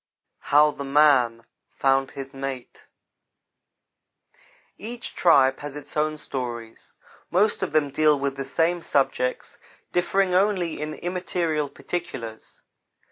HOW THE MAN FOUND HIS MATE EACH tribe has its own stories. Most of them deal with the same subjects, differing only in immaterial particulars.